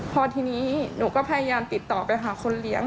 พอทีนี้หนูก็พยายามติดต่อไปหาคนเลี้ยง